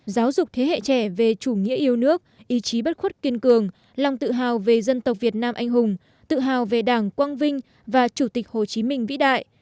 giáo dục thế hệ trẻ về chủ nghĩa yêu nước ý chí bất khuất kiên cường lòng tự hào về dân tộc việt nam anh hùng tự hào về đảng quang vinh và chủ tịch hồ chí minh vĩ đại